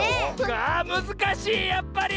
あむずかしいやっぱり！